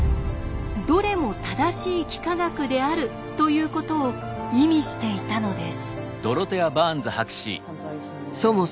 どれも正しい幾何学である」ということを意味していたのです。